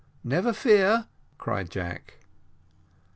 "Never fear," cried Jack.